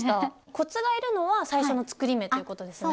コツがいるのは最初の作り目ということですね。